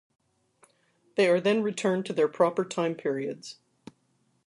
They are then returned to their proper time periods.